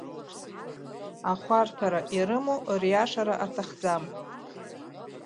Ахәарҭара ирымоу риашара аҭахӡам.